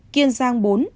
kiên giang bốn